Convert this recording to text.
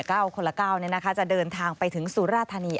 ก้าวคนละก้าวจะเดินทางไปถึงสุรธานี